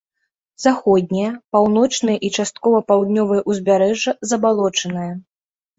Заходняе, паўночнае і часткова паўднёвае ўзбярэжжа забалочаныя.